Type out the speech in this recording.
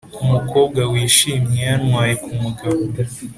umukobwa wishimye yantwaye kumugabo,